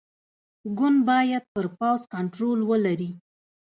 ګوند باید پر پوځ کنټرول ولري.